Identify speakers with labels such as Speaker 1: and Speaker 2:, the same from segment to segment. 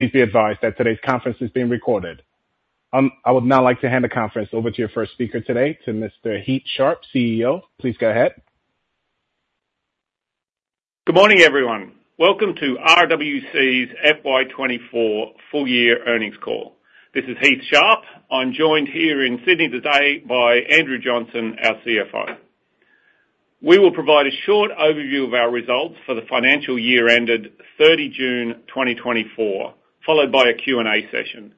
Speaker 1: Please be advised that today's conference is being recorded. I would now like to hand the conference over to your first speaker today, to Mr. Heath Sharp, CEO. Please go ahead.
Speaker 2: Good morning, everyone. Welcome to RWC's FY 2024 full year earnings call. This is Heath Sharp. I'm joined here in Sydney today by Andrew Johnson, our CFO. We will provide a short overview of our results for the financial year ended 30 June 2024, followed by a Q&A session.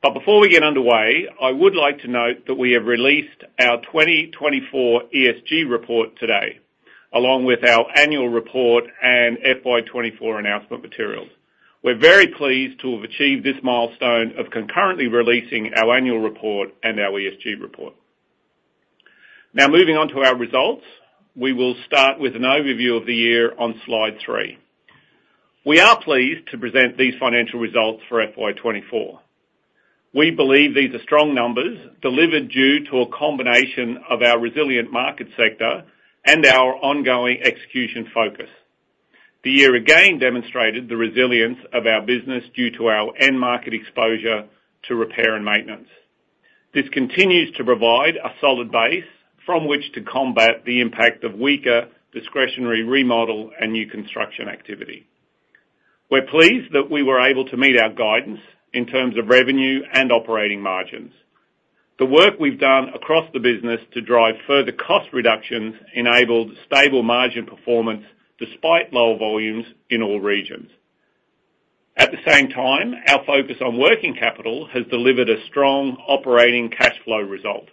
Speaker 2: But before we get underway, I would like to note that we have released our 2024 ESG report today, along with our annual report and FY 2024 announcement materials. We're very pleased to have achieved this milestone of concurrently releasing our annual report and our ESG report. Now, moving on to our results. We will start with an overview of the year on slide three. We are pleased to present these financial results for FY 2024. We believe these are strong numbers delivered due to a combination of our resilient market sector and our ongoing execution focus. The year again demonstrated the resilience of our business due to our end market exposure to repair and maintenance. This continues to provide a solid base from which to combat the impact of weaker discretionary remodel and new construction activity. We're pleased that we were able to meet our guidance in terms of revenue and operating margins. The work we've done across the business to drive further cost reductions enabled stable margin performance, despite lower volumes in all regions. At the same time, our focus on working capital has delivered a strong operating cash flow result.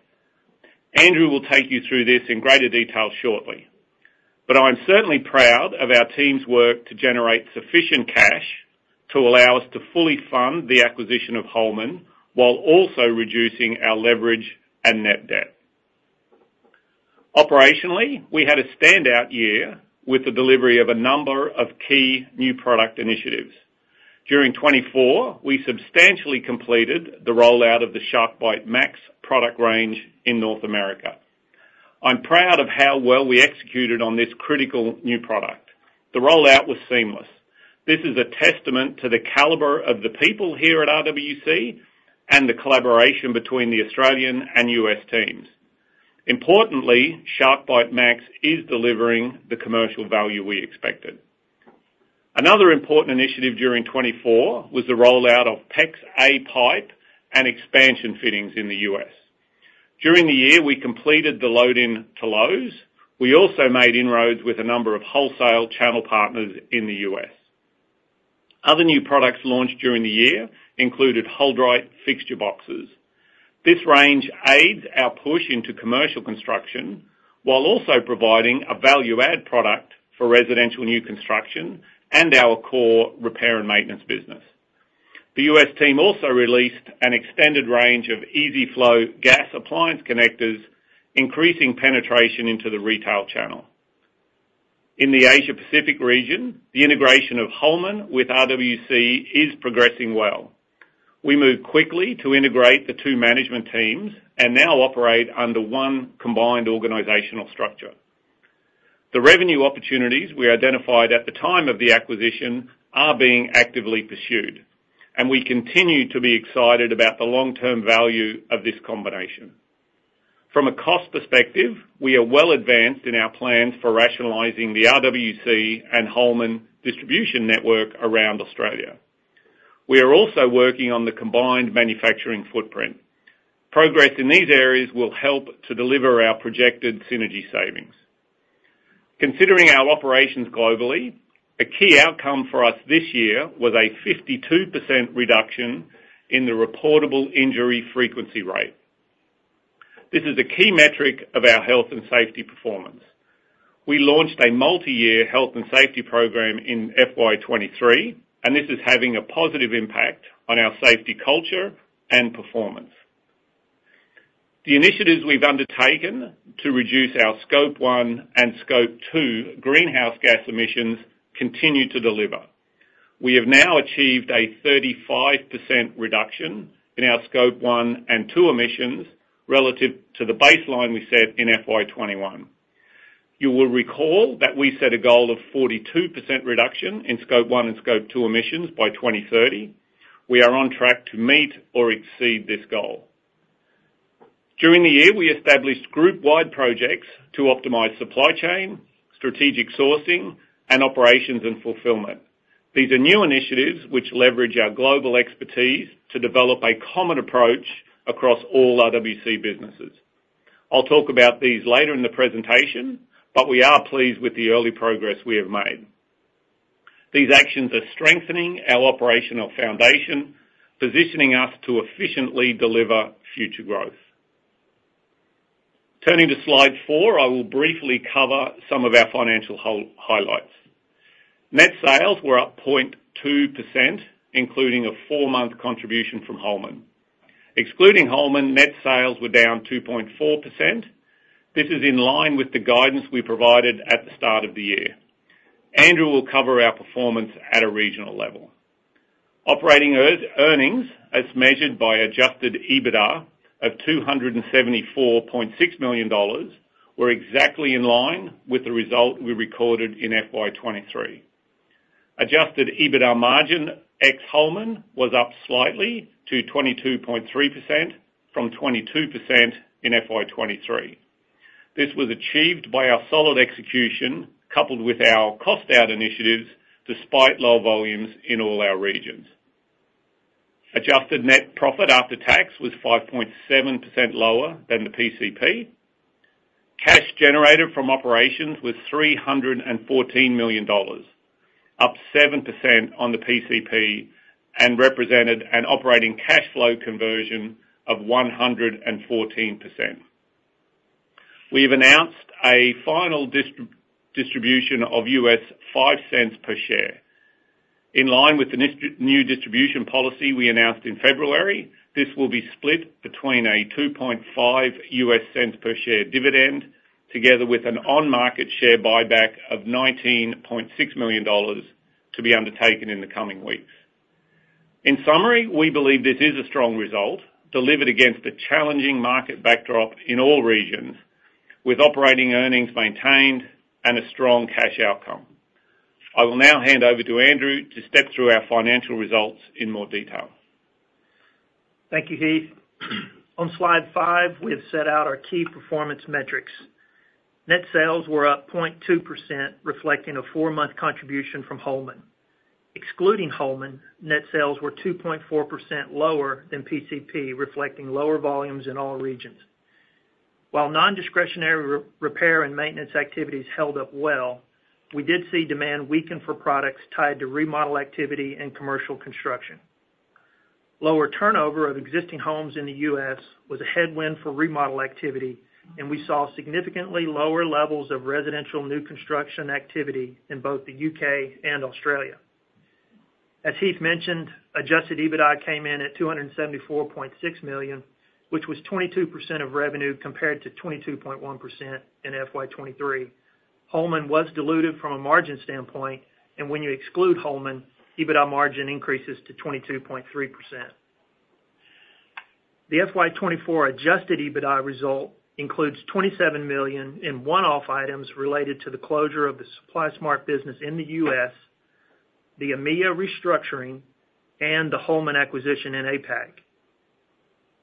Speaker 2: Andrew will take you through this in greater detail shortly, but I'm certainly proud of our team's work to generate sufficient cash to allow us to fully fund the acquisition of Holman, while also reducing our leverage and net debt. Operationally, we had a standout year with the delivery of a number of key new product initiatives. During 2024, we substantially completed the rollout of the SharkBite Max product range in North America. I'm proud of how well we executed on this critical new product. The rollout was seamless. This is a testament to the caliber of the people here at RWC, and the collaboration between the Australian and U.S. teams. Importantly, SharkBite Max is delivering the commercial value we expected. Another important initiative during 2024 was the rollout of PEX-a pipe and expansion fittings in the U.S. During the year, we completed the load-in to Lowe's. We also made inroads with a number of wholesale channel partners in the U.S. Other new products launched during the year included HoldRite fixture boxes. This range aids our push into commercial construction, while also providing a value-add product for residential new construction and our core repair and maintenance business. The U.S. team also released an extended range of EZ-FLO gas appliance connectors, increasing penetration into the retail channel. In the Asia Pacific region, the integration of Holman with RWC is progressing well. We moved quickly to integrate the two management teams and now operate under one combined organizational structure. The revenue opportunities we identified at the time of the acquisition are being actively pursued, and we continue to be excited about the long-term value of this combination. From a cost perspective, we are well advanced in our plans for rationalizing the RWC and Holman distribution network around Australia. We are also working on the combined manufacturing footprint. Progress in these areas will help to deliver our projected synergy savings. Considering our operations globally, a key outcome for us this year was a 52% reduction in the Reportable Injury Frequency Rate. This is a key metric of our health and safety performance. We launched a multi-year health and safety program in FY23, and this is having a positive impact on our safety, culture, and performance. The initiatives we've undertaken to reduce our Scope 1 and Scope 2 greenhouse gas emissions continue to deliver. We have now achieved a 35% reduction in our Scope 1 and 2 emissions relative to the baseline we set in FY21. You will recall that we set a goal of 42% reduction in Scope 1 and Scope 2 emissions by 2030. We are on track to meet or exceed this goal. During the year, we established group-wide projects to optimize supply chain, strategic sourcing, and operations and fulfillment. These are new initiatives which leverage our global expertise to develop a common approach across all RWC businesses. I'll talk about these later in the presentation, but we are pleased with the early progress we have made. These actions are strengthening our operational foundation, positioning us to efficiently deliver future growth. Turning to slide four, I will briefly cover some of our financial highlights. Net sales were up 0.2%, including a four-month contribution from Holman. Excluding Holman, net sales were down 2.4%. This is in line with the guidance we provided at the start of the year. Andrew will cover our performance at a regional level. Operating earnings, as measured by adjusted EBITDA of $274.6 million, were exactly in line with the result we recorded in FY23. Adjusted EBITDA margin ex Holman was up slightly to 22.3% from 22% in FY23. This was achieved by our solid execution, coupled with our cost out initiatives, despite low volumes in all our regions. Adjusted net profit after tax was 5.7% lower than the PCP. Cash generated from operations was $314 million, up 7% on the PCP, and represented an operating cash flow conversion of 114%. We've announced a final distribution of $0.05 per share. In line with the new distribution policy we announced in February, this will be split between a $0.025 per share dividend, together with an on-market share buyback of $19.6 million to be undertaken in the coming weeks. In summary, we believe this is a strong result, delivered against a challenging market backdrop in all regions, with operating earnings maintained and a strong cash outcome. I will now hand over to Andrew to step through our financial results in more detail.
Speaker 3: Thank you, Heath. On slide five, we have set out our key performance metrics. Net sales were up 0.2%, reflecting a four-month contribution from Holman. Excluding Holman, net sales were 2.4% lower than PCP, reflecting lower volumes in all regions. While non-discretionary repair and maintenance activities held up well, we did see demand weaken for products tied to remodel activity and commercial construction. Lower turnover of existing homes in the U.S. was a headwind for remodel activity, and we saw significantly lower levels of residential new construction activity in both the U.K. and Australia. As Heath mentioned, adjusted EBITDA came in at $274.6 million, which was 22% of revenue compared to 22.1% in FY23. Holman was diluted from a margin standpoint, and when you exclude Holman, EBITDA margin increases to 22.3%. The FY24 adjusted EBITDA result includes 27 million in one-off items related to the closure of the Supply Smart business in the U.S., the EMEA restructuring, and the Holman acquisition in APAC.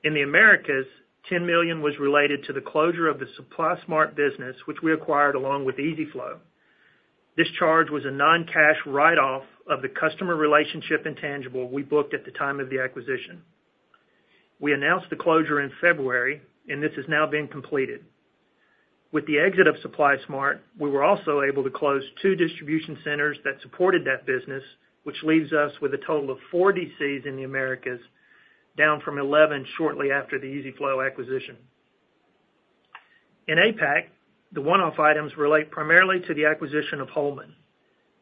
Speaker 3: In the Americas, 10 million was related to the closure of the Supply Smart business, which we acquired along with EZ-FLO. This charge was a non-cash write-off of the customer relationship intangible we booked at the time of the acquisition. We announced the closure in February, and this is now being completed. With the exit of Supply Smart, we were also able to close two distribution centers that supported that business, which leaves us with a total of 4 DCs in the Americas, down from 11 shortly after the EZ-FLO acquisition. In APAC, the one-off items relate primarily to the acquisition of Holman.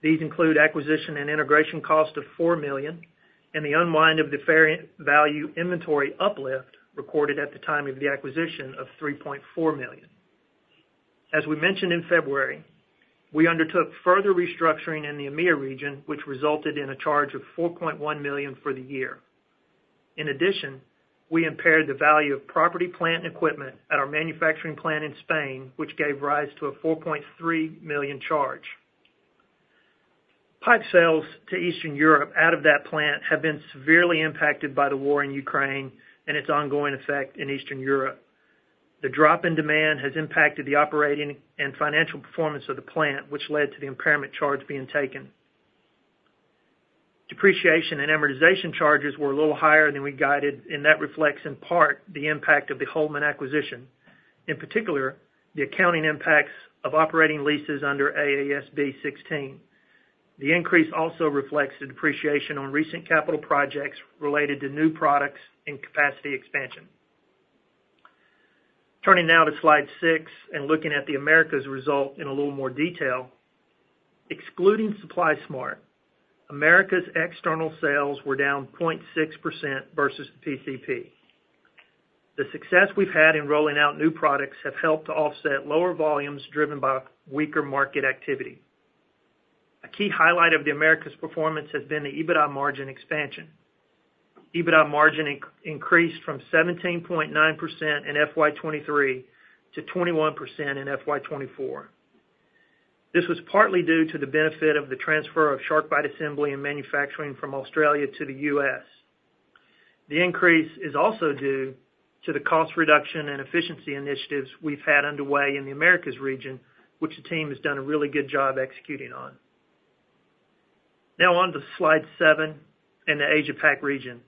Speaker 3: These include acquisition and integration costs of 4 million and the unwind of the fair value inventory uplift recorded at the time of the acquisition of 3.4 million. As we mentioned in February, we undertook further restructuring in the EMEA region, which resulted in a charge of 4.1 million for the year. In addition, we impaired the value of property, plant, and equipment at our manufacturing plant in Spain, which gave rise to a 4.3 million charge. Pipe sales to Eastern Europe out of that plant have been severely impacted by the war in Ukraine and its ongoing effect in Eastern Europe. The drop in demand has impacted the operating and financial performance of the plant, which led to the impairment charge being taken. Depreciation and amortization charges were a little higher than we guided, and that reflects, in part, the impact of the Holman acquisition, in particular, the accounting impacts of operating leases under AASB 16. The increase also reflects the depreciation on recent capital projects related to new products and capacity expansion. Turning now to slide six and looking at the Americas result in a little more detail. Excluding Supply Smart, Americas' external sales were down 0.6% versus PCP. The success we've had in rolling out new products have helped to offset lower volumes, driven by weaker market activity. A key highlight of the Americas performance has been the EBITDA margin expansion. EBITDA margin increased from 17.9% in FY23 to 21% in FY24. This was partly due to the benefit of the transfer of SharkBite assembly and manufacturing from Australia to the U.S. The increase is also due to the cost reduction and efficiency initiatives we've had underway in the Americas region, which the team has done a really good job executing on. Now on to slide 7 in the Asia Pac region,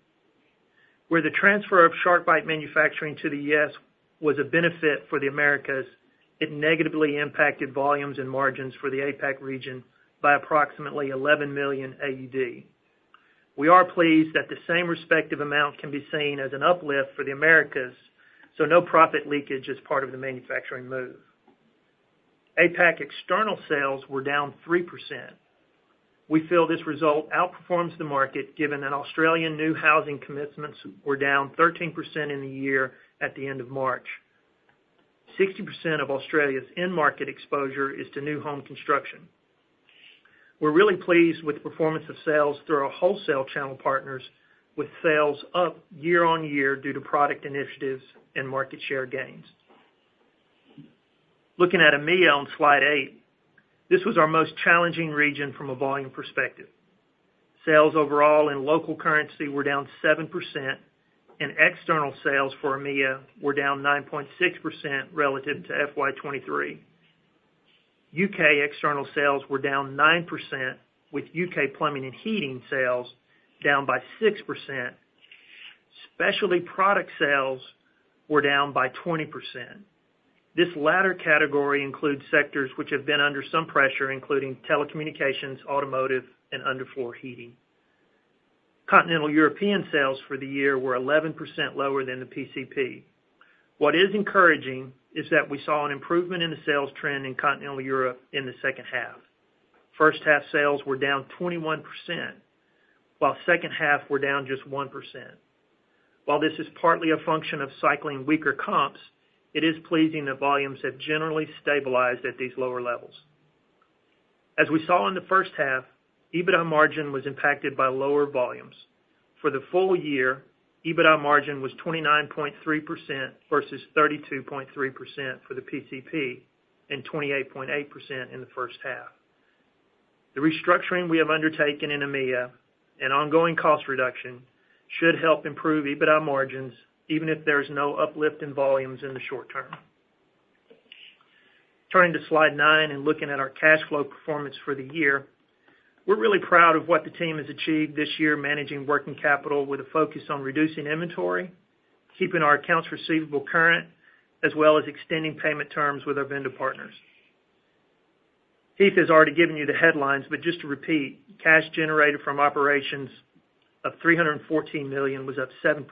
Speaker 3: where the transfer of SharkBite manufacturing to the U.S. was a benefit for the Americas, it negatively impacted volumes and margins for the APAC region by approximately 11 million AUD. We are pleased that the same respective amount can be seen as an uplift for the Americas, so no profit leakage is part of the manufacturing move. APAC external sales were down 3%. We feel this result outperforms the market, given that Australian new housing commitments were down 13% in the year at the end of March. 60% of Australia's end market exposure is to new home construction... We're really pleased with the performance of sales through our wholesale channel partners, with sales up year-on-year due to product initiatives and market share gains. Looking at EMEA on Slide 8, this was our most challenging region from a volume perspective. Sales overall in local currency were down 7%, and external sales for EMEA were down 9.6% relative to FY23. U.K. external sales were down 9%, with U.K. plumbing and heating sales down by 6%. Specialty product sales were down by 20%. This latter category includes sectors which have been under some pressure, including telecommunications, automotive, and underfloor heating. Continental European sales for the year were 11% lower than the PCP. What is encouraging is that we saw an improvement in the sales trend in Continental Europe in the second half. First half sales were down 21%, while second half were down just 1%. While this is partly a function of cycling weaker comps, it is pleasing that volumes have generally stabilized at these lower levels. As we saw in the first half, EBITDA margin was impacted by lower volumes. For the full year, EBITDA margin was 29.3% versus 32.3% for the PCP, and 28.8% in the first half. The restructuring we have undertaken in EMEA and ongoing cost reduction should help improve EBITDA margins, even if there is no uplift in volumes in the short term. Turning to Slide nine and looking at our cash flow performance for the year, we're really proud of what the team has achieved this year, managing working capital with a focus on reducing inventory, keeping our accounts receivable current, as well as extending payment terms with our vendor partners. Heath has already given you the headlines, but just to repeat, cash generated from operations of $314 million was up 7%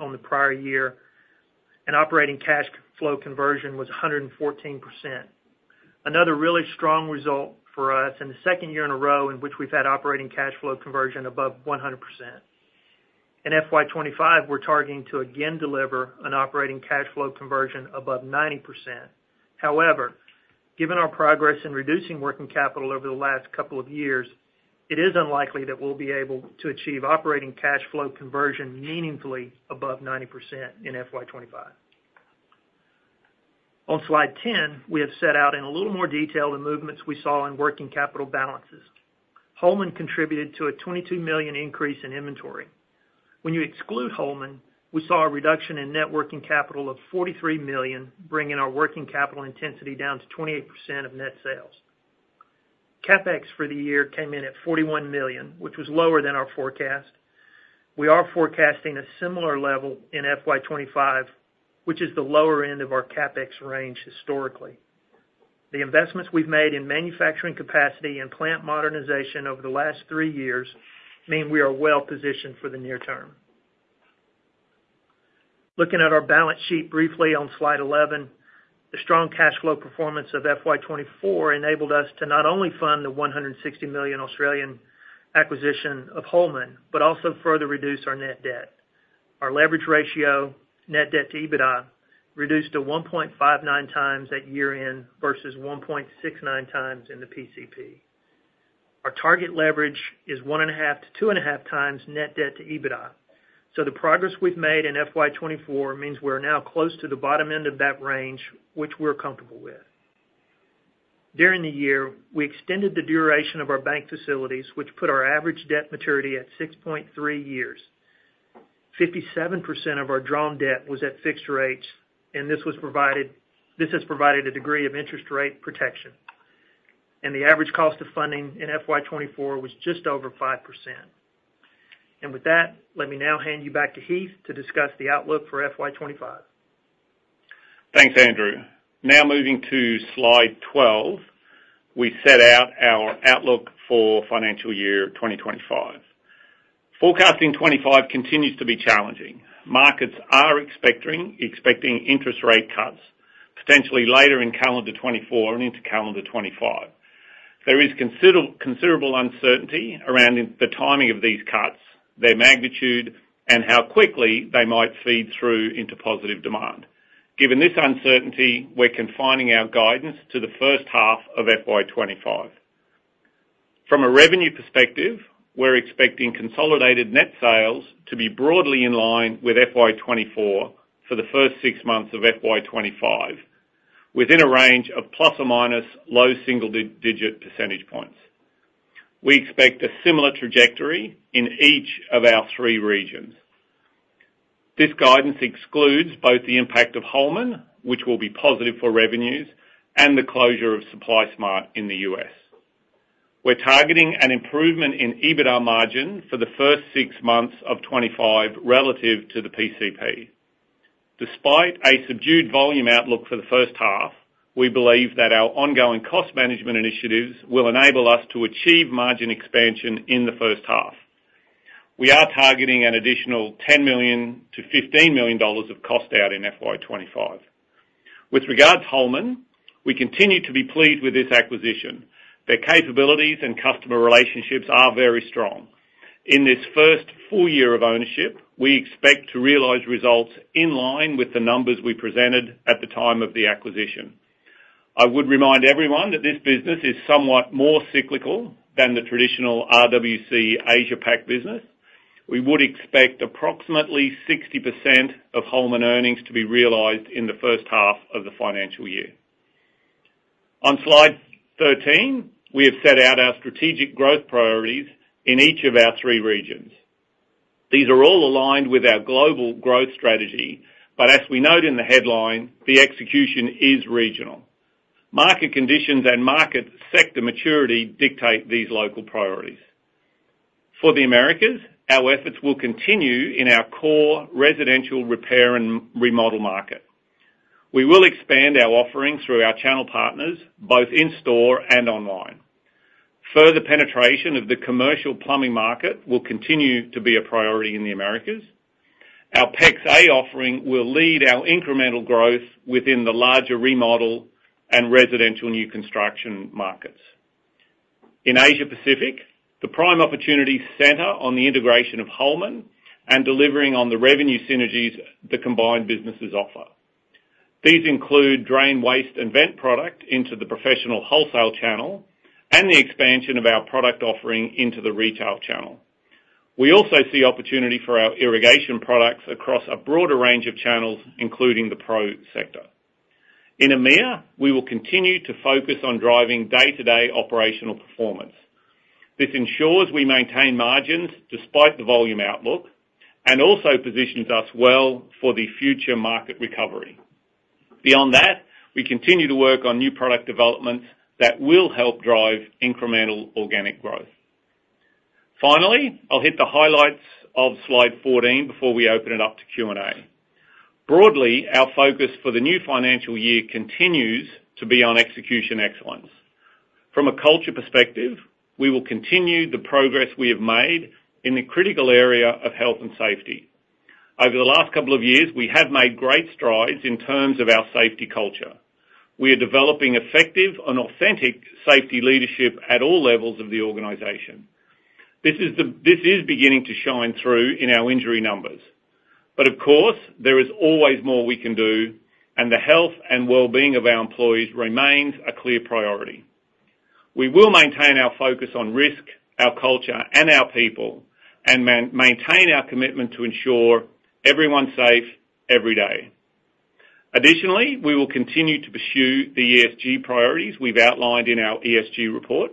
Speaker 3: on the prior year, and operating cash flow conversion was 114%. Another really strong result for us, and the second year in a row in which we've had operating cash flow conversion above 100%. In FY25, we're targeting to again deliver an operating cash flow conversion above 90%. However, given our progress in reducing working capital over the last couple of years, it is unlikely that we'll be able to achieve operating cash flow conversion meaningfully above 90% in FY25. On Slide 10, we have set out in a little more detail, the movements we saw in working capital balances. Holman contributed to an 22 million increase in inventory. When you exclude Holman, we saw a reduction in net working capital of 43 million, bringing our working capital intensity down to 28% of net sales. CapEx for the year came in at 41 million, which was lower than our forecast. We are forecasting a similar level in FY 2025, which is the lower end of our CapEx range historically. The investments we've made in manufacturing capacity and plant modernization over the last three years mean we are well positioned for the near term. Looking at our balance sheet briefly on Slide 11, the strong cash flow performance of FY24 enabled us to not only fund the 160 million acquisition of Holman, but also further reduce our net debt. Our leverage ratio, net debt to EBITDA, reduced to 1.59 times at year-end versus 1.69 times in the PCP. Our target leverage is 1.5-2.5 times net debt to EBITDA, so the progress we've made in FY24 means we're now close to the bottom end of that range, which we're comfortable with. During the year, we extended the duration of our bank facilities, which put our average debt maturity at 6.3 years. 57% of our drawn debt was at fixed rates, and this has provided a degree of interest rate protection, and the average cost of funding in FY24 was just over 5%. With that, let me now hand you back to Heath to discuss the outlook for FY25.
Speaker 2: Thanks, Andrew. Now moving to Slide twelve, we set out our outlook for financial year twenty twenty-five. Forecasting twenty-five continues to be challenging. Markets are expecting interest rate cuts potentially later in calendar twenty-four and into calendar twenty-five. There is considerable uncertainty around the timing of these cuts, their magnitude, and how quickly they might feed through into positive demand. Given this uncertainty, we're confining our guidance to the first half of FY25. From a revenue perspective, we're expecting consolidated net sales to be broadly in line with FY24 for the first six months of FY25, within a range of plus or minus low single-digit percentage points. We expect a similar trajectory in each of our three regions. This guidance excludes both the impact of Holman, which will be positive for revenues, and the closure of Supply Smart in the U.S. We're targeting an improvement in EBITDA margin for the first six months of 25 relative to the PCP. Despite a subdued volume outlook for the first half, we believe that our ongoing cost management initiatives will enable us to achieve margin expansion in the first half. We are targeting an additional $10 million-$15 million of cost out in FY25. With regards to Holman, we continue to be pleased with this acquisition. Their capabilities and customer relationships are very strong. In this first full year of ownership, we expect to realize results in line with the numbers we presented at the time of the acquisition. I would remind everyone that this business is somewhat more cyclical than the traditional RWC Asia-Pac business. We would expect approximately 60% of Holman earnings to be realized in the first half of the financial year. On Slide 13, we have set out our strategic growth priorities in each of our three regions. These are all aligned with our global growth strategy, but as we note in the headline, the execution is regional. Market conditions and market sector maturity dictate these local priorities. For the Americas, our efforts will continue in our core residential repair and remodel market. We will expand our offerings through our channel partners, both in-store and online. Further penetration of the commercial plumbing market will continue to be a priority in the Americas. Our PEX-a offering will lead our incremental growth within the larger remodel and residential new construction markets. In Asia Pacific, the prime opportunities center on the integration of Holman and delivering on the revenue synergies the combined businesses offer. These include drain, waste, and vent product into the professional wholesale channel and the expansion of our product offering into the retail channel. We also see opportunity for our irrigation products across a broader range of channels, including the pro sector. In EMEA, we will continue to focus on driving day-to-day operational performance. This ensures we maintain margins despite the volume outlook and also positions us well for the future market recovery. Beyond that, we continue to work on new product developments that will help drive incremental organic growth. Finally, I'll hit the highlights of Slide fourteen before we open it up to Q&A. Broadly, our focus for the new financial year continues to be on execution excellence. From a culture perspective, we will continue the progress we have made in the critical area of health and safety. Over the last couple of years, we have made great strides in terms of our safety culture. We are developing effective and authentic safety leadership at all levels of the organization. This is beginning to shine through in our injury numbers. But of course, there is always more we can do, and the health and well-being of our employees remains a clear priority. We will maintain our focus on risk, our culture, and our people, and maintain our commitment to ensure everyone's safe every day. Additionally, we will continue to pursue the ESG priorities we've outlined in our ESG report.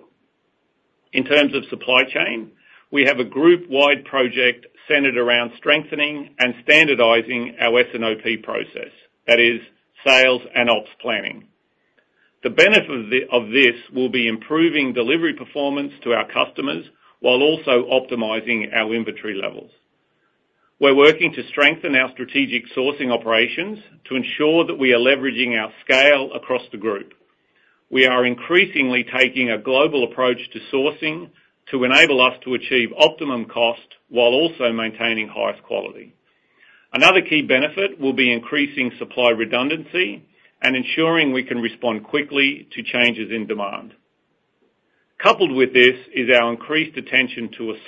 Speaker 2: In terms of supply chain, we have a group-wide project centered around strengthening and standardizing our S&OP process, that is, sales and ops planning. The benefit of this will be improving delivery performance to our customers while also optimizing our inventory levels. We're working to strengthen our strategic sourcing operations to ensure that we are leveraging our scale across the group. We are increasingly taking a global approach to sourcing to enable us to achieve optimum cost while also maintaining highest quality. Another key benefit will be increasing supply redundancy and ensuring we can respond quickly to changes in demand. Coupled with this is our increased attention to assessing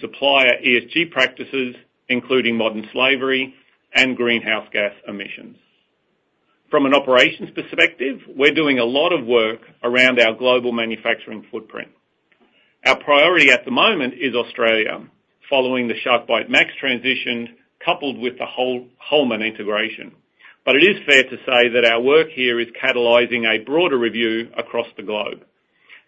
Speaker 2: supplier ESG practices, including modern slavery and greenhouse gas emissions. From an operations perspective, we're doing a lot of work around our global manufacturing footprint. Our priority at the moment is Australia, following the SharkBite Max transition, coupled with the Holman integration. But it is fair to say that our work here is catalyzing a broader review across the globe.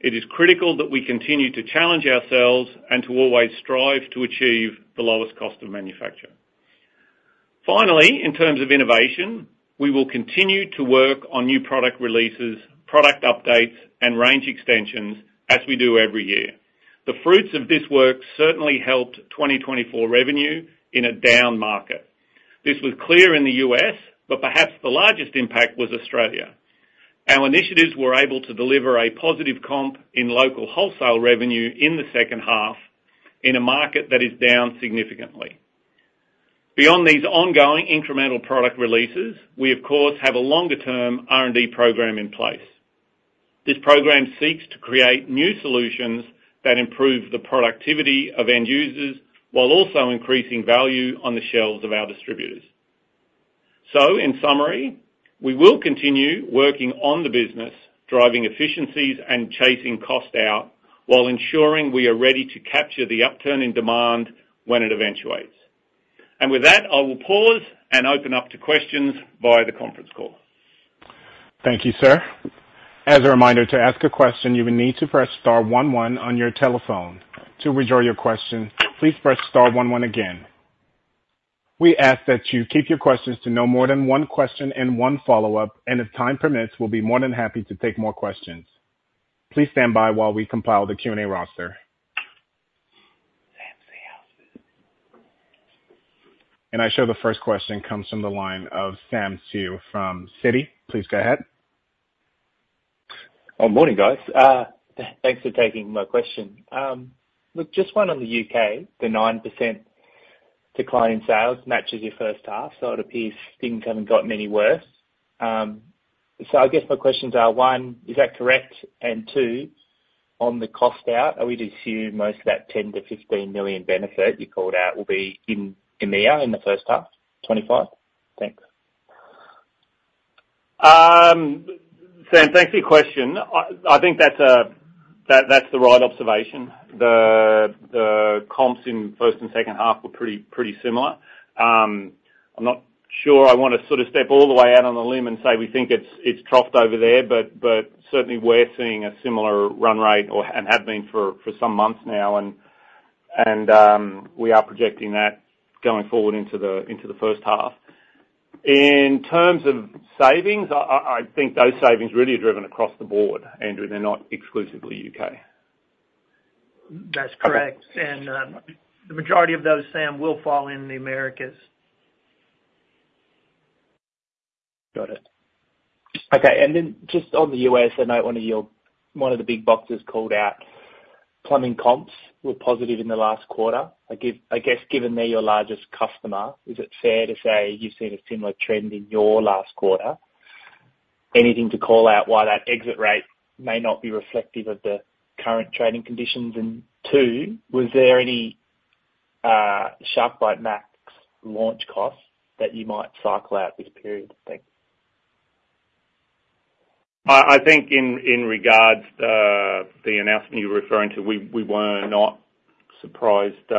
Speaker 2: It is critical that we continue to challenge ourselves and to always strive to achieve the lowest cost of manufacture. Finally, in terms of innovation, we will continue to work on new product releases, product updates, and range extensions as we do every year. The fruits of this work certainly helped 2024 revenue in a down market. This was clear in the U.S., but perhaps the largest impact was Australia. Our initiatives were able to deliver a positive comp in local wholesale revenue in the second half, in a market that is down significantly. Beyond these ongoing incremental product releases, we of course have a longer-term R&D program in place. This program seeks to create new solutions that improve the productivity of end users, while also increasing value on the shelves of our distributors. So in summary, we will continue working on the business, driving efficiencies and chasing cost out, while ensuring we are ready to capture the upturn in demand when it eventuates. With that, I will pause and open up to questions via the conference call.
Speaker 1: Thank you, sir. As a reminder, to ask a question, you will need to press star one one on your telephone. To withdraw your question, please press star one one again. We ask that you keep your questions to no more than one question and one follow-up, and if time permits, we'll be more than happy to take more questions. Please stand by while we compile the Q&A roster. Sam Seow. I show the first question comes from the line of Sam Seow from Citi. Please go ahead. Oh, morning, guys. Thanks for taking my question. Look, just one on the U.K., the 9% decline in sales matches your first half, so it appears things haven't gotten any worse. So I guess my questions are, one, is that correct? And two, on the cost out, are we to assume most of that $10-$15 million benefit you called out will be in EMEA in the first half 2025? Thanks.
Speaker 2: Sam, thanks for your question. I think that's the right observation. The comps in first and second half were pretty similar. I'm not sure I wanna sort of step all the way out on the limb and say we think it's troughed over there, but certainly we're seeing a similar run rate or and have been for some months now, and we are projecting that going forward into the first half. In terms of savings, I think those savings really are driven across the board, Andrew. They're not exclusively U.K.
Speaker 3: That's correct.
Speaker 2: Okay.
Speaker 4: The majority of those, Sam, will fall in the Americas. Got it. Okay, and then just on the U.S., I know one of your, one of the big boxes called out plumbing comps were positive in the last quarter. I guess, given they're your largest customer, is it fair to say you've seen a similar trend in your last quarter? Anything to call out why that exit rate may not be reflective of the current trading conditions? And two, was there any, SharkBite Max launch costs that you might cycle out this period? Thanks.
Speaker 2: I think in regards to the announcement you're referring to, we were not surprised by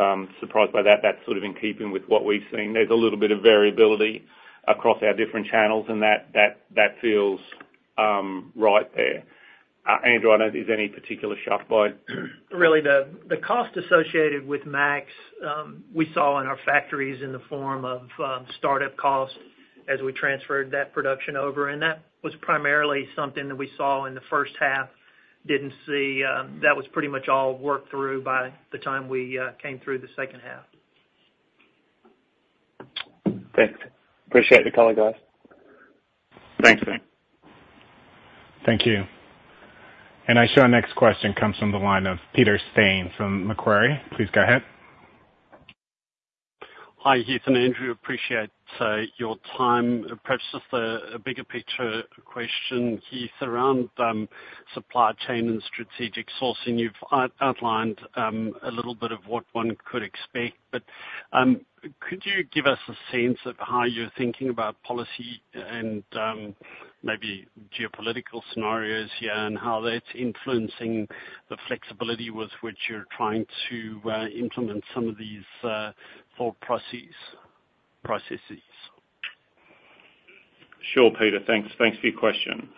Speaker 2: that. That's sort of in keeping with what we've seen. There's a little bit of variability across our different channels, and that feels right there. Andrew, I don't know if there's any particular SharkBite?
Speaker 4: Really, the cost associated with Max we saw in our factories in the form of start-up costs as we transferred that production over, and that was primarily something that we saw in the first half. Didn't see. That was pretty much all worked through by the time we came through the second half. Thanks. Appreciate the color, guys.
Speaker 2: Thanks, Sam.
Speaker 1: Thank you. And our next question comes from the line of Peter Steyn from Macquarie. Please go ahead.
Speaker 5: Hi, Heath and Andrew, appreciate your time. Perhaps just a bigger picture question, Heath, around supply chain and strategic sourcing. You've outlined a little bit of what one could expect, but could you give us a sense of how you're thinking about policy and maybe geopolitical scenarios here, and how that's influencing the flexibility with which you're trying to implement some of these thought processes?
Speaker 2: Sure, Peter. Thanks. Thanks for your question.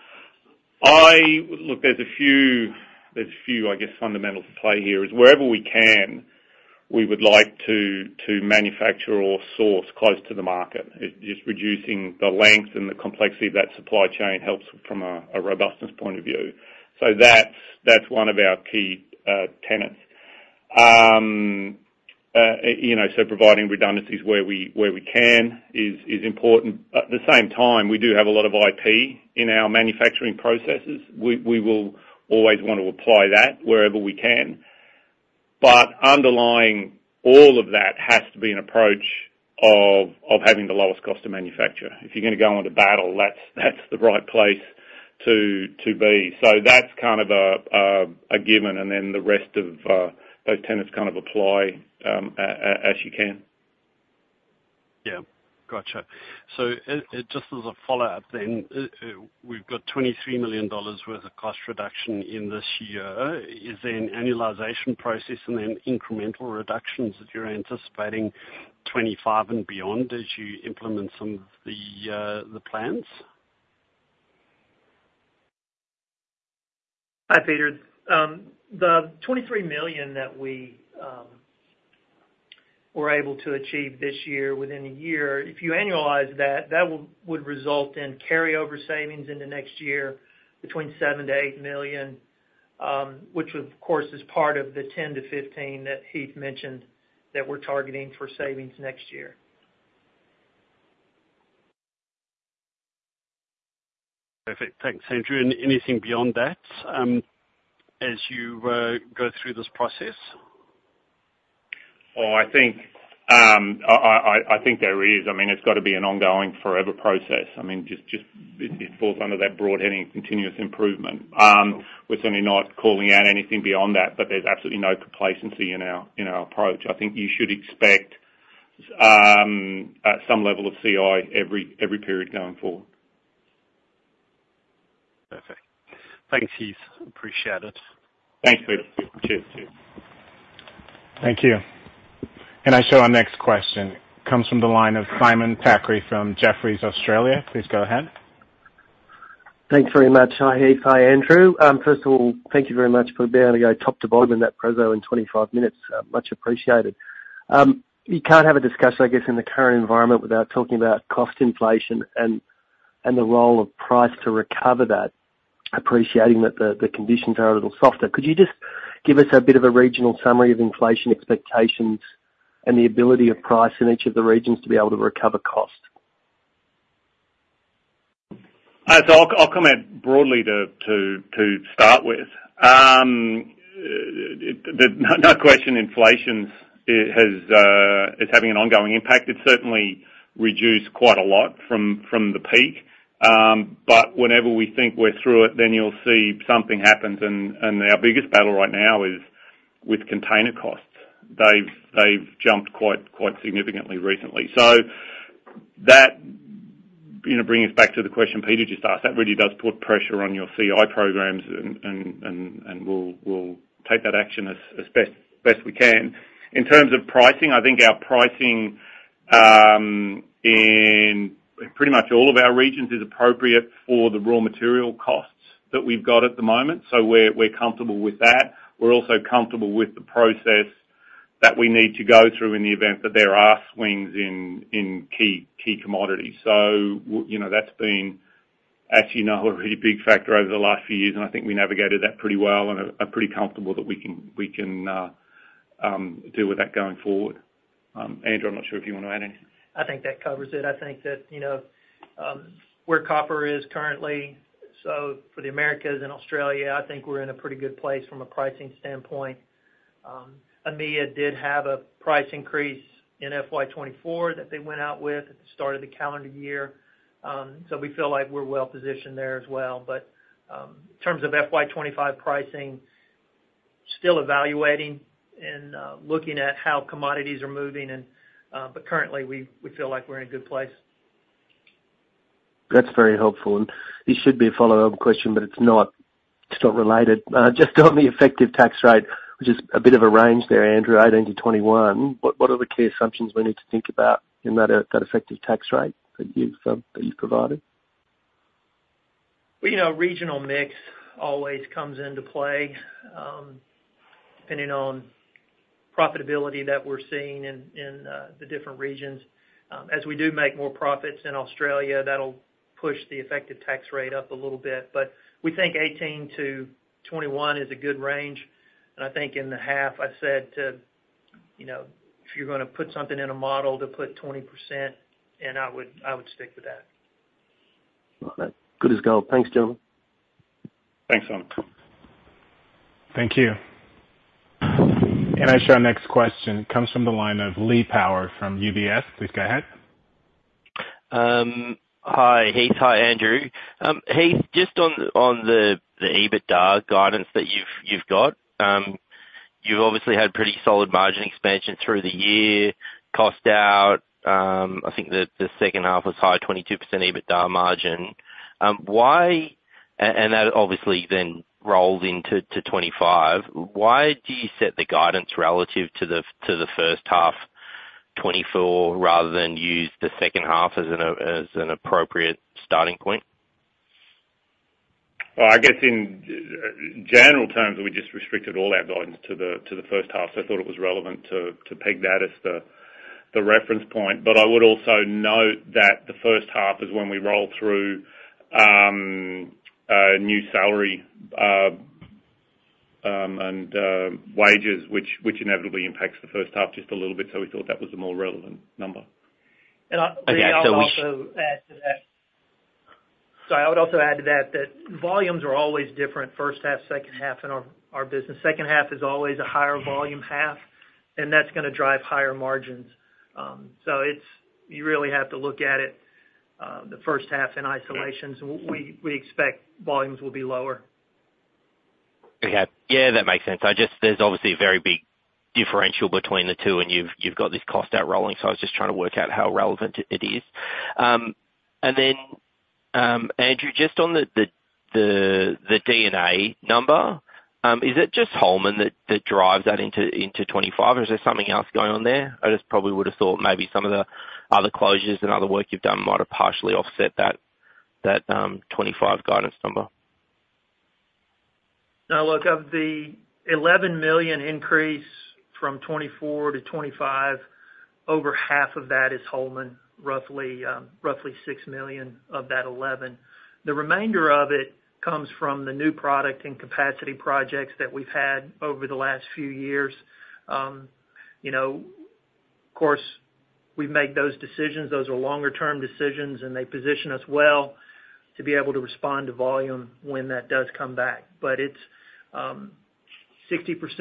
Speaker 2: Look, there's a few, I guess, fundamentals at play here, is wherever we can, we would like to manufacture or source close to the market. It's just reducing the length and the complexity of that supply chain helps from a robustness point of view. So that's one of our key tenets. You know, so providing redundancies where we can is important. At the same time, we do have a lot of IP in our manufacturing processes. We will always want to apply that wherever we can, but underlying all of that has to be an approach of having the lowest cost to manufacture. If you're gonna go into battle, that's the right place to be. So that's kind of a given, and then the rest of those tenets kind of apply as you can.
Speaker 5: Yeah. Gotcha. So, just as a follow-up then, we've got $23 million worth of cost reduction in this year. Is there an annualization process and then incremental reductions that you're anticipating 2025 and beyond, as you implement some of the plans?
Speaker 3: Hi, Peter. The 23 million that we were able to achieve this year, within a year, if you annualize that, that would result in carryover savings into next year between 7-8 million, which of course is part of the 10-15 that Heath mentioned, that we're targeting for savings next year.
Speaker 5: Perfect. Thanks, Andrew. And anything beyond that, as you go through this process?
Speaker 2: Oh, I think there is. I mean, it's got to be an ongoing forever process. I mean, it falls under that broad heading, continuous improvement. We're certainly not calling out anything beyond that, but there's absolutely no complacency in our approach. I think you should expect at some level of CI every period going forward.
Speaker 5: Perfect. Thanks, Heath. Appreciate it.
Speaker 2: Thanks, Peter. Cheers.
Speaker 1: Thank you. And I show our next question comes from the line of Simon Thackray from Jefferies Australia. Please go ahead.
Speaker 6: Thanks very much. Hi, Heath. Hi, Andrew. First of all, thank you very much for being able to go top to bottom in that preso in 25 minutes, much appreciated. You can't have a discussion, I guess, in the current environment, without talking about cost inflation and the role of price to recover that, appreciating that the conditions are a little softer. Could you just give us a bit of a regional summary of inflation expectations and the ability of price in each of the regions to be able to recover cost?
Speaker 2: So I'll comment broadly to start with. No question inflation is having an ongoing impact. It's certainly reduced quite a lot from the peak. But whenever we think we're through it, then you'll see something happens, and our biggest battle right now is with container costs. They've jumped quite significantly recently. So that, you know, bring us back to the question Peter just asked. That really does put pressure on your CI programs, and we'll take that action as best we can. In terms of pricing, I think our pricing in pretty much all of our regions is appropriate for the raw material costs that we've got at the moment, so we're comfortable with that. We're also comfortable with the process that we need to go through in the event that there are swings in key commodities. So you know, that's been, as you know, a really big factor over the last few years, and I think we navigated that pretty well, and are pretty comfortable that we can deal with that going forward. Andrew, I'm not sure if you want to add anything.
Speaker 3: I think that covers it. I think that, you know, where copper is currently, so for the Americas and Australia, I think we're in a pretty good place from a pricing standpoint. EMEA did have a price increase in FY24 that they went out with at the start of the calendar year. So we feel like we're well positioned there as well. But, in terms of FY25 pricing, still evaluating and, looking at how commodities are moving and, but currently, we feel like we're in a good place.
Speaker 6: That's very helpful, and this should be a follow-up question, but it's not. It's not related. Just on the effective tax rate, which is a bit of a range there, Andrew, 18%-21%, what are the key assumptions we need to think about in that effective tax rate that you've provided?
Speaker 3: You know, regional mix always comes into play, depending on profitability that we're seeing in the different regions. As we do make more profits in Australia, that'll push the effective tax rate up a little bit. But we think 18%-21% is a good range, and I think in the half, I said to, you know, if you're gonna put something in a model to put 20%, and I would stick with that.
Speaker 6: Okay. Good as gold. Thanks, gentlemen.
Speaker 2: Thanks, Alan.
Speaker 1: Thank you. Our next question comes from the line of Lee Power from UBS. Please go ahead.
Speaker 7: Hi, Heath. Hi, Andrew. Heath, just on the EBITDA guidance that you've got, you've obviously had pretty solid margin expansion through the year, cost out. I think the second half was high, 22% EBITDA margin, and that obviously then rolled into 25%. Why do you set the guidance relative to the first half twenty-four, rather than use the second half as an appropriate starting point?
Speaker 2: I guess in general terms, we just restricted all our guidance to the first half, so I thought it was relevant to peg that as the reference point. But I would also note that the first half is when we roll through new salary and wages, which inevitably impacts the first half just a little bit, so we thought that was a more relevant number.
Speaker 7: Okay, I wish-
Speaker 3: I'll also add to that. Sorry, I would also add to that, that volumes are always different, first half, second half in our business. Second half is always a higher volume half, and that's gonna drive higher margins. So it's, you really have to look at it, the first half in isolation. We expect volumes will be lower.
Speaker 7: Okay. Yeah, that makes sense. I just, there's obviously a very big differential between the two, and you've got this cost out rolling, so I was just trying to work out how relevant it is. And then, Andrew, just on the D&A number, is it just Holman that drives that into 25, or is there something else going on there? I just probably would have thought maybe some of the other closures and other work you've done might have partially offset that 25 guidance number.
Speaker 3: Now, look, of the $11 million increase from 2024 to 2025, over half of that is Holman, roughly 6 million of that 11. The remainder of it comes from the new product and capacity projects that we've had over the last few years. You know, of course, we make those decisions. Those are longer-term decisions, and they position us well to be able to respond to volume when that does come back. But it's 60%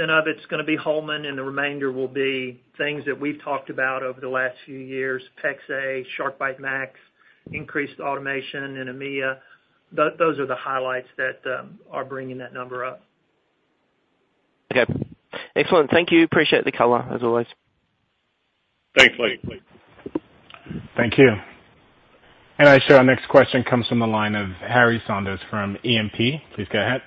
Speaker 3: of it's gonna be Holman, and the remainder will be things that we've talked about over the last few years: PEX-a, SharkBite Max, increased automation in EMEA. Those are the highlights that are bringing that number up.
Speaker 7: Okay. Excellent. Thank you. Appreciate the color, as always.
Speaker 2: Thanks, Lee.
Speaker 1: Thank you. Our next question comes from the line of Harry Saunders from E&P. Please go ahead.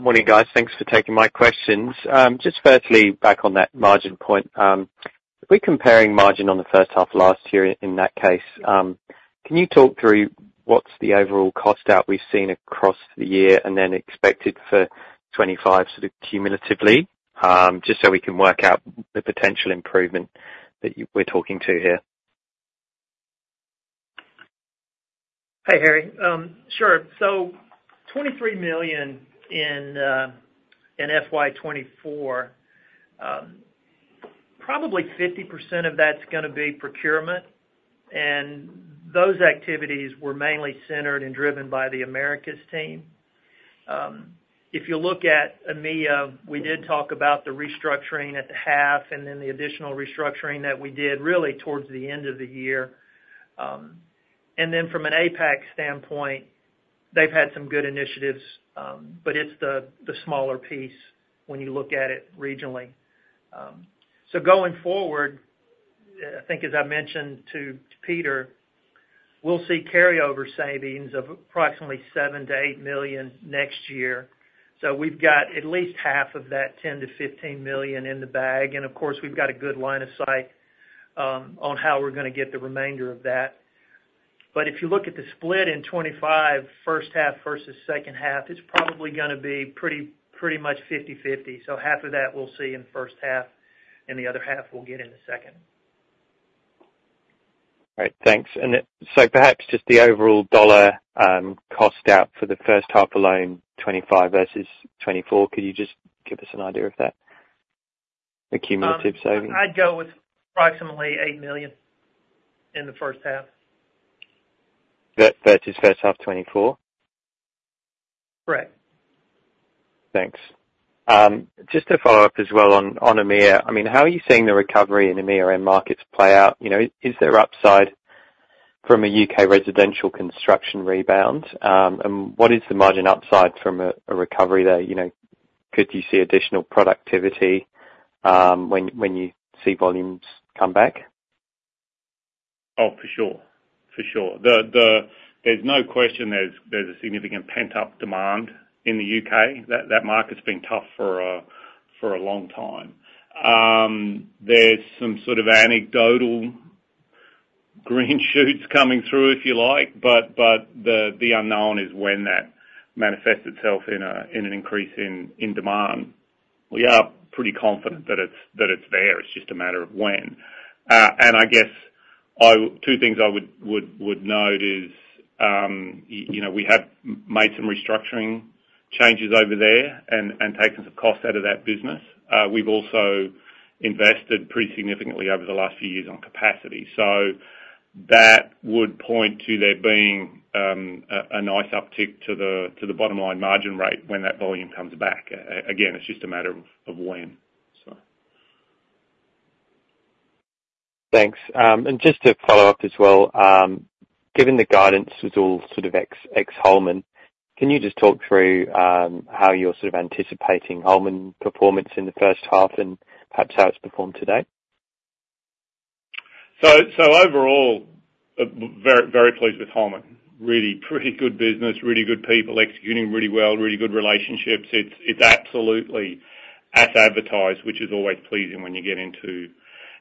Speaker 8: Morning, guys. Thanks for taking my questions. Just firstly, back on that margin point, if we're comparing margin on the first half of last year in that case, can you talk through what's the overall cost out we've seen across the year, and then expected for twenty-five sort of cumulatively? Just so we can work out the potential improvement that we're talking to here.
Speaker 3: Hey, Harry. Sure. So 23 million in FY 2024 probably 50% of that's gonna be procurement, and those activities were mainly centered and driven by the Americas team. If you look at EMEA, we did talk about the restructuring at the half, and then the additional restructuring that we did really towards the end of the year. And then from an APAC standpoint, they've had some good initiatives, but it's the smaller piece when you look at it regionally. So going forward, I think as I mentioned to Peter, we'll see carryover savings of approximately 7-8 million next year. So we've got at least half of that 10-15 million in the bag, and of course, we've got a good line of sight on how we're gonna get the remainder of that. But if you look at the split in twenty-five, first half versus second half, it's probably gonna be pretty, pretty much fifty-fifty. So half of that we'll see in first half, and the other half we'll get in the second.
Speaker 8: All right, thanks. And then, so perhaps just the overall dollar cost out for the first half alone, 2025 versus 2024. Could you just give us an idea of that? Cumulative savings.
Speaker 3: I'd go with approximately eight million in the first half.
Speaker 8: versus first half 2024?
Speaker 3: Correct.
Speaker 8: Thanks. Just to follow up as well on EMEA, I mean, how are you seeing the recovery in EMEA end markets play out? You know, is there upside from a UK residential construction rebound? And what is the margin upside from a recovery there? You know, could you see additional productivity when you see volumes come back?
Speaker 2: Oh, for sure. For sure. There's no question there's a significant pent-up demand in the UK. That market's been tough for a long time. There's some sort of anecdotal green shoots coming through, if you like, but the unknown is when that manifests itself in an increase in demand. We are pretty confident that it's there. It's just a matter of when. And I guess two things I would note is, you know, we have made some restructuring changes over there and taken some cost out of that business. We've also invested pretty significantly over the last few years on capacity. So that would point to there being a nice uptick to the bottom line margin rate when that volume comes back. Again, it's just a matter of when, so.
Speaker 8: Thanks. And just to follow up as well, given the guidance was all sort of ex Holman, can you just talk through how you're sort of anticipating Holman performance in the first half and perhaps how it's performed to date?
Speaker 2: So overall, very, very pleased with Holman. Really pretty good business, really good people, executing really well, really good relationships. It's absolutely as advertised, which is always pleasing when you get into,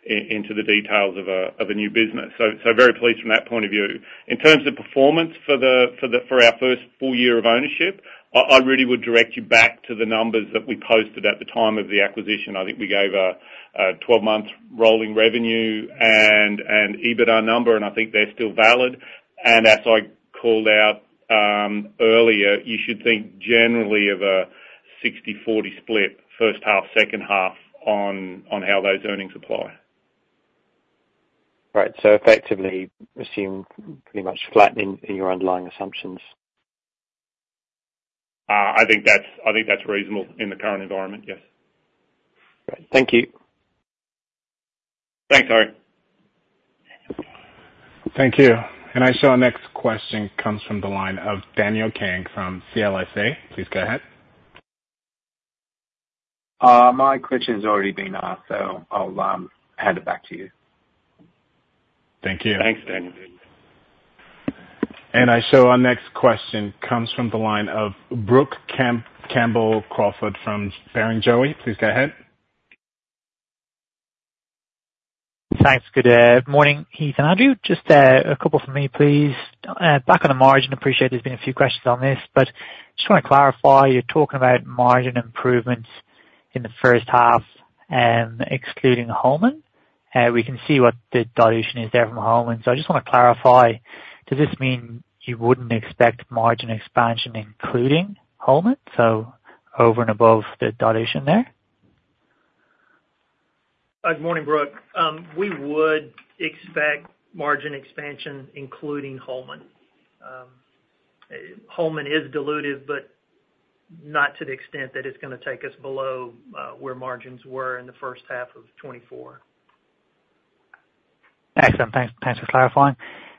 Speaker 2: into the details of a new business. Very pleased from that point of view. In terms of performance for the, for our first full year of ownership, I really would direct you back to the numbers that we posted at the time of the acquisition. I think we gave a twelve-month rolling revenue and EBITDA number, and I think they're still valid, and as I called out earlier, you should think generally of a sixty-forty split, first half, second half on how those earnings apply.
Speaker 8: Right. So effectively, assume pretty much flattening in your underlying assumptions? I think that's reasonable in the current environment, yes. Great. Thank you.
Speaker 2: Thanks, Harry.
Speaker 1: Thank you. Our next question comes from the line of Daniel Kang from CLSA. Please go ahead.
Speaker 9: My question's already been asked, so I'll hand it back to you.
Speaker 1: Thank you.
Speaker 2: Thanks, Daniel.
Speaker 1: Our next question comes from the line of Brooke Campbell-Crawford from Barrenjoey. Please go ahead.
Speaker 10: Thanks. Good morning, Heath and Andrew. Just a couple from me, please. Back on the margin, appreciate there's been a few questions on this, but just wanna clarify: You're talking about margin improvements in the first half, excluding Holman. We can see what the dilution is there from Holman. So I just wanna clarify, does this mean you wouldn't expect margin expansion, including Holman, so over and above the dilution there?
Speaker 3: Good morning, Brooke. We would expect margin expansion, including Holman. Holman is dilutive, but not to the extent that it's gonna take us below where margins were in the first half of 2024.
Speaker 10: Excellent. Thanks, thanks for clarifying.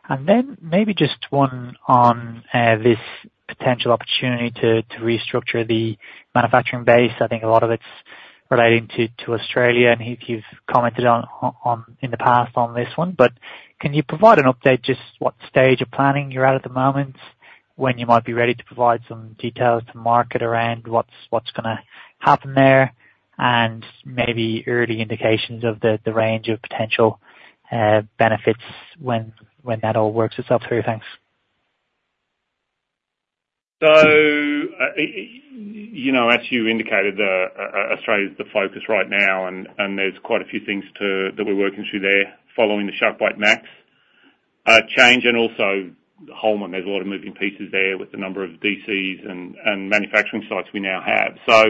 Speaker 10: And then maybe just one on this potential opportunity to restructure the manufacturing base. I think a lot of it's relating to Australia, and Heath, you've commented on in the past on this one, but can you provide an update, just what stage of planning you're at the moment, when you might be ready to provide some details to market around what's gonna happen there? And maybe early indications of the range of potential benefits when that all works itself through. Thanks.
Speaker 2: So, you know, as you indicated, Australia's the focus right now, and there's quite a few things that we're working through there following the SharkBite Max change and also Holman. There's a lot of moving pieces there with the number of DCs and manufacturing sites we now have. So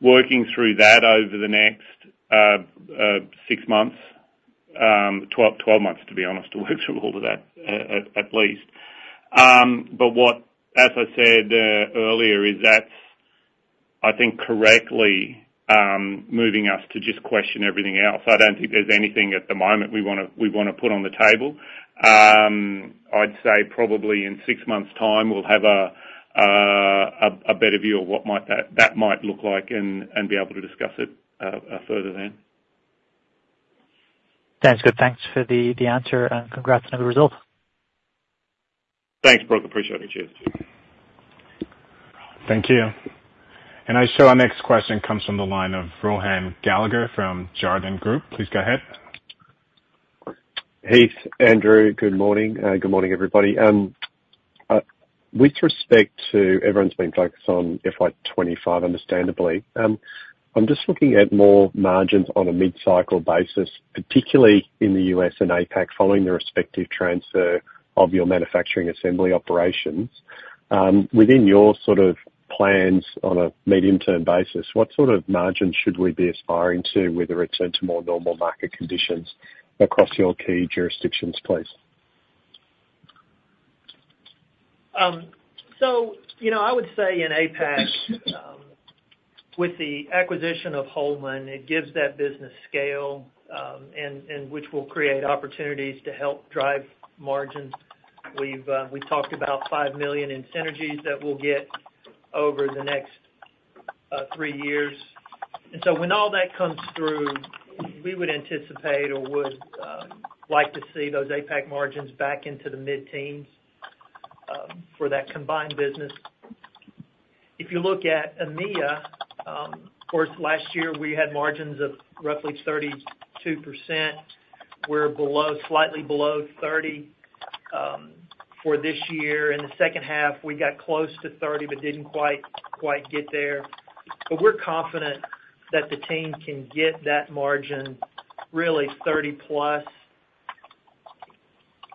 Speaker 2: working through that over the next six months, 12 months, to be honest, to work through all of that, at least. But as I said earlier, that's, I think, correctly moving us to just question everything else. I don't think there's anything at the moment we wanna put on the table. I'd say probably in six months' time, we'll have a better view of what that might look like and be able to discuss it further then.
Speaker 10: Sounds good. Thanks for the answer, and congrats on the result.
Speaker 2: Thanks, Brooke. Appreciate it. Cheers.
Speaker 1: Thank you. And I show our next question comes from the line of Rohan Gallagher from Jarden. Please go ahead.
Speaker 11: Heath, Andrew, good morning. Good morning, everybody. With respect to everyone's been focused on FY25, understandably, I'm just looking at more margins on a mid-cycle basis, particularly in the U.S. and APAC, following the respective transfer of your manufacturing assembly operations. Within your sort of plans on a medium-term basis, what sort of margins should we be aspiring to, with a return to more normal market conditions across your key jurisdictions, please?
Speaker 3: So, you know, I would say in APAC, with the acquisition of Holman, it gives that business scale, and which will create opportunities to help drive margins. We talked about 5 million in synergies that we'll get over the next three years. And so when all that comes through, we would anticipate or would like to see those APAC margins back into the mid-teens for that combined business. If you look at EMEA, of course, last year we had margins of roughly 32%. We're slightly below 30% for this year. In the second half, we got close to 30%, but didn't quite get there. But we're confident that the team can get that margin really 30 plus.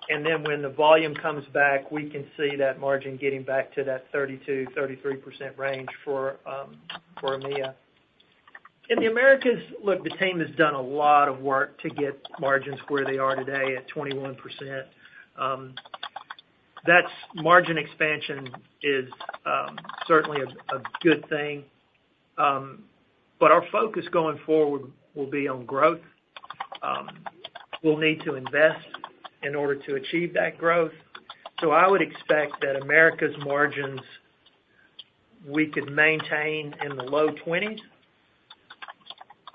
Speaker 3: And then when the volume comes back, we can see that margin getting back to that 32%-33% range for EMEA. In the Americas, look, the team has done a lot of work to get margins where they are today at 21%. That's margin expansion is certainly a good thing, but our focus going forward will be on growth. We'll need to invest in order to achieve that growth. So I would expect that Americas' margins, we could maintain in the low twenties.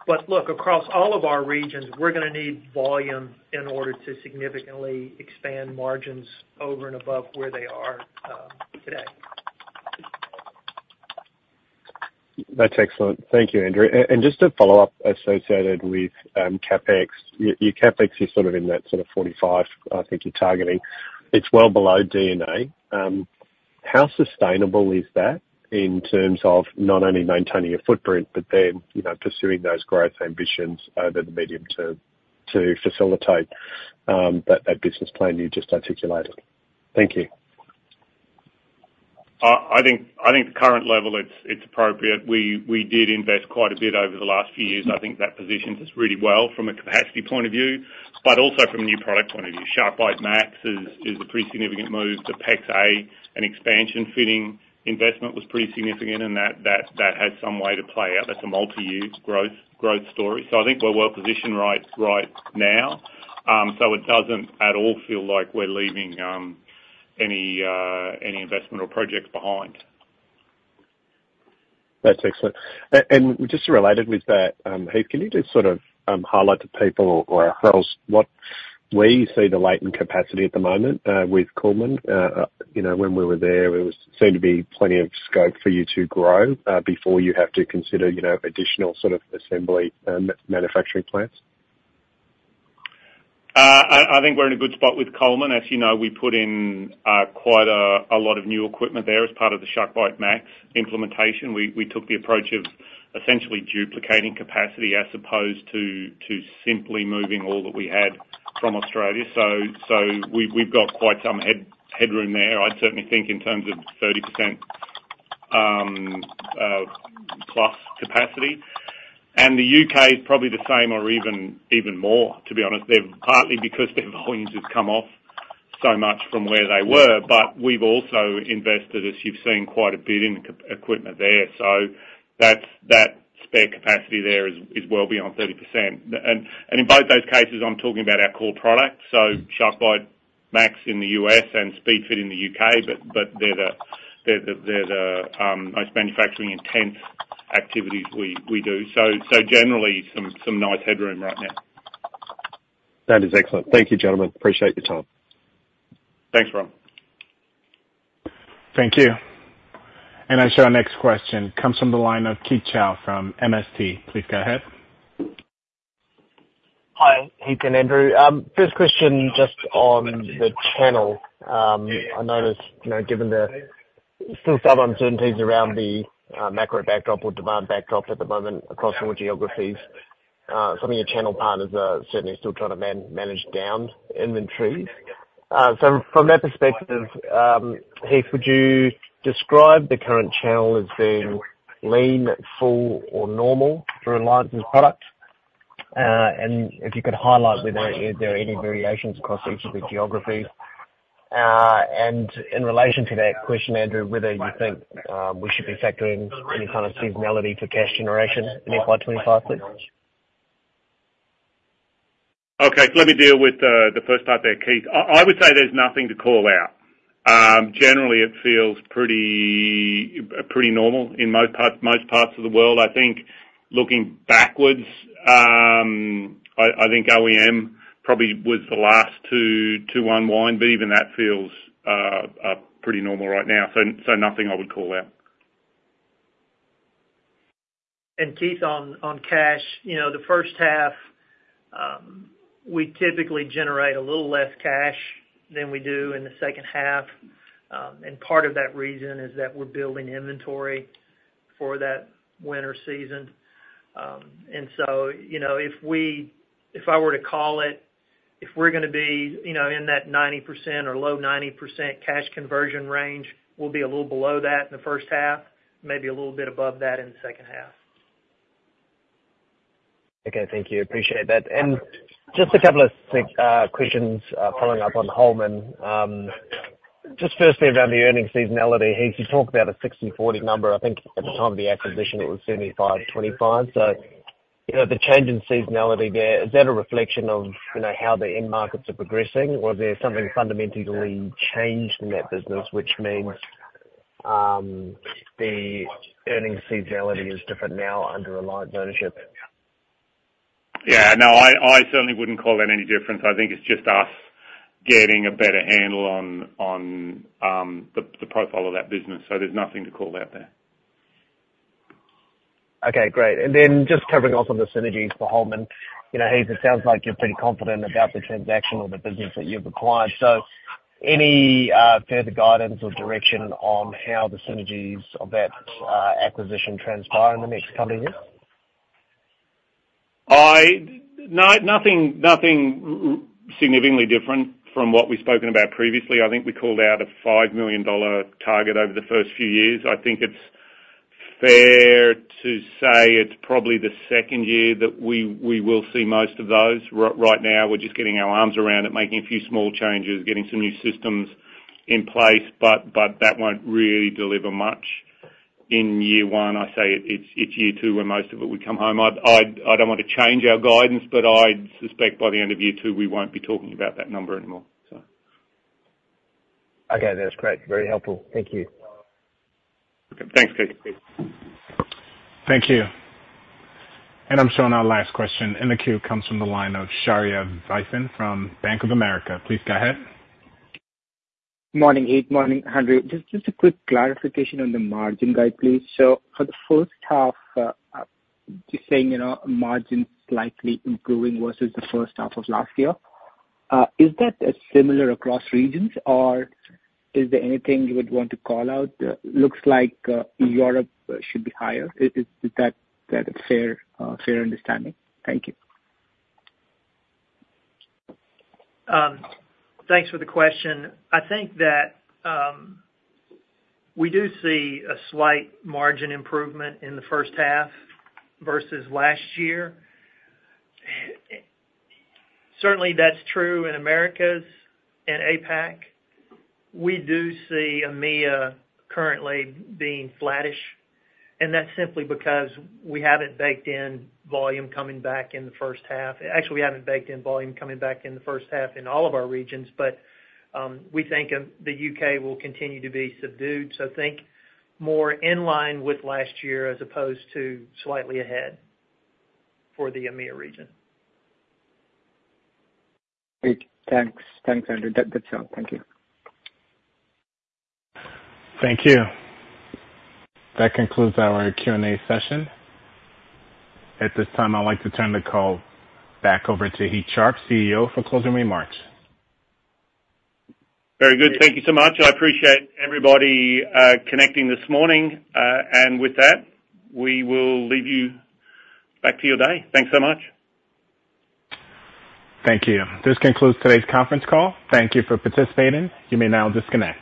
Speaker 3: But look, across all of our regions, we're gonna need volume in order to significantly expand margins over and above where they are today.
Speaker 11: That's excellent. Thank you, Andrew. And just to follow up, associated with CapEx, your CapEx is sort of in that sort of 45, I think you're targeting. It's well below DNA. How sustainable is that in terms of not only maintaining your footprint, but then, you know, pursuing those growth ambitions over the medium term to facilitate that business plan you just articulated? Thank you.
Speaker 2: I think the current level it's appropriate. We did invest quite a bit over the last few years. I think that positions us really well from a capacity point of view, but also from a new product point of view. SharkBite Max is a pretty significant move to PEX-a. An expansion fitting investment was pretty significant, and that had some way to play out. That's a multi-year growth story. So I think we're well positioned right now. So it doesn't at all feel like we're leaving any investment or projects behind.
Speaker 11: That's excellent. And just related with that, Heath, can you just sort of highlight to people or us where you see the latent capacity at the moment with Cullman? You know, when we were there, there was seen to be plenty of scope for you to grow before you have to consider, you know, additional sort of assembly manufacturing plants.
Speaker 2: I think we're in a good spot with Cullman. As you know, we put in quite a lot of new equipment there as part of the SharkBite Max implementation. We took the approach of essentially duplicating capacity as opposed to simply moving all that we had from Australia. So we've got quite some headroom there. I certainly think in terms of 30% plus capacity, and the U.K. is probably the same or even more, to be honest. They've partly because their volumes have come off so much from where they were, but we've also invested, as you've seen, quite a bit in equipment there. So that's spare capacity there is well beyond 30%. And in both those cases, I'm talking about our core products, so SharkBite Max in the U.S. and Speedfit in the U.K., but they're the most manufacturing-intense activities we do. So generally some nice headroom right now.
Speaker 11: That is excellent. Thank you, gentlemen. Appreciate your time.
Speaker 2: Thanks, Rohan.
Speaker 1: Thank you. Our next question comes from the line of Keith Chau from MST. Please go ahead.
Speaker 12: Hi, Heath and Andrew. First question, just on the channel. I noticed, you know, given the still some uncertainties around the macro backdrop or demand backdrop at the moment across all geographies. Some of your channel partners are certainly still trying to manage down inventories. So from that perspective, Heath, would you describe the current channel as being lean, full, or normal for Reliance's products? And if you could highlight whether are there any variations across each of the geographies? And in relation to that question, Andrew, whether you think we should be factoring any kind of seasonality for cash generation in FY25, please?
Speaker 2: Okay, let me deal with the first part there, Keith. I would say there's nothing to call out. Generally, it feels pretty normal in most parts of the world. I think looking backwards, I think OEM probably was the last to unwind, but even that feels pretty normal right now. So nothing I would call out.
Speaker 3: And Keith, on cash, you know, the first half, we typically generate a little less cash than we do in the second half. And part of that reason is that we're building inventory for that winter season. And so, you know, if I were to call it, if we're gonna be, you know, in that 90% or low 90% cash conversion range, we'll be a little below that in the first half, maybe a little bit above that in the second half.
Speaker 12: Okay. Thank you. Appreciate that and just a couple of quick questions following up on Holman. Just firstly, around the earnings seasonality, Heath, you talked about a 60-40 number. I think at the time of the acquisition, it was 75-25 so you know, the change in seasonality there, is that a reflection of you know, how the end markets are progressing, or there's something fundamentally changed in that business, which means the earnings seasonality is different now under our ownership?
Speaker 2: Yeah. No, I certainly wouldn't call that any different. I think it's just us getting a better handle on the profile of that business, so there's nothing to call out there.
Speaker 12: Okay, great. And then just covering off on the synergies for Holman. You know, Heath, it sounds like you're pretty confident about the transaction or the business that you've acquired. So any further guidance or direction on how the synergies of that acquisition transpire in the next coming years?
Speaker 2: No, nothing significantly different from what we've spoken about previously. I think we called out a $5 million target over the first few years. I think it's fair to say it's probably the second year that we will see most of those. Right now, we're just getting our arms around it, making a few small changes, getting some new systems in place, but that won't really deliver much in year one. I'd say it's year two where most of it would come home. I don't want to change our guidance, but I'd suspect by the end of year two, we won't be talking about that number anymore, so.
Speaker 12: Okay. That's great. Very helpful. Thank you.
Speaker 2: Okay, thanks, Keith.
Speaker 1: Thank you. And I'm showing our last question in the queue comes from the line of Shirley Zifen from Bank of America. Please go ahead.
Speaker 13: Morning, Heath, morning, Andrew. Just a quick clarification on the margin guide, please. So for the first half, just saying, you know, margin slightly improving versus the first half of last year. Is that similar across regions, or is there anything you would want to call out? Looks like Europe should be higher. Is that a fair understanding? Thank you.
Speaker 3: Thanks for the question. I think that, we do see a slight margin improvement in the first half versus last year. Certainly, that's true in Americas and APAC. We do see EMEA currently being flattish, and that's simply because we haven't baked in volume coming back in the first half. Actually, we haven't baked in volume coming back in the first half in all of our regions, but, we think of the U.K. will continue to be subdued. So think more in line with last year, as opposed to slightly ahead for the EMEA region.
Speaker 13: Great. Thanks. Thanks, Andrew. That's good. Thank you.
Speaker 1: Thank you. That concludes our Q&A session. At this time, I'd like to turn the call back over to Heath Sharp, CEO, for closing remarks.
Speaker 2: Very good. Thank you so much. I appreciate everybody connecting this morning. And with that, we will leave you back to your day. Thanks so much.
Speaker 1: Thank you. This concludes today's conference call. Thank you for participating. You may now disconnect.